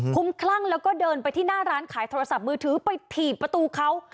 คุ้มคลั่งแล้วก็เดินไปที่หน้าร้านขายโทรศัพท์มือถือไปถีบประตูเขา